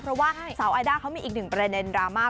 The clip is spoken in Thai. เพราะว่าสาวไอด้าเขามีอีกหนึ่งประเด็นดราม่า